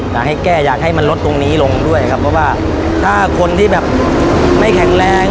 อยากให้แก้อยากให้มันลดตรงนี้ลงด้วยครับเพราะว่าถ้าคนที่แบบไม่แข็งแรง